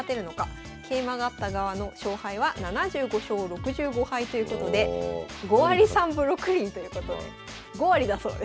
桂馬があった側の勝敗は７５勝６５敗ということで５割３分６厘ということで５割だそうです。